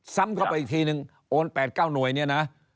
ซ้ำเข้าไปอีกทีนึงโอน๘๙หน่วยเนี่ยนะ